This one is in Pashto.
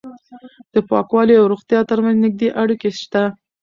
د پاکوالي او روغتیا ترمنځ نږدې اړیکه شته.